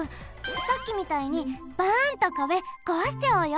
さっきみたいにばんとかべこわしちゃおうよ。